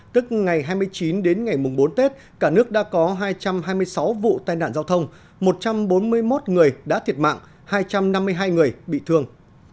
tức ngày hai mươi chín đến ngày mùng bốn tết cả nước đã có hai trăm hai mươi sáu vụ tai nạn giao thông một trăm bốn mươi một người đã thiệt mạng hai trăm năm mươi hai người bị thương